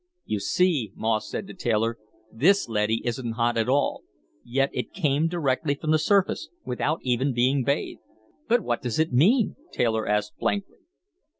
"You see," Moss said to Taylor, "this leady isn't hot at all. Yet it came directly from the surface, without even being bathed." "But what does it mean?" Taylor asked blankly.